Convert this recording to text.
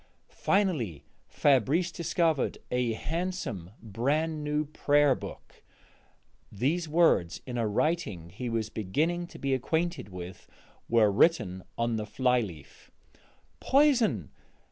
Finally, Fabrice discovered a handsome brand new prayer book: these words, in a writing he was beginning to be acquainted with, were written on the fly leaf: "_Poison!